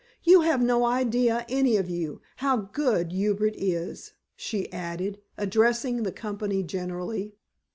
You have no idea, any of you, how good Hubert is," she added, addressing the company generally.